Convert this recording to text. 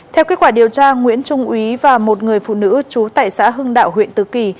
theo kết quả điều tra nguyễn trung ý và một người phụ nữ trú tại xã hưng đạo huyện tứ kỳ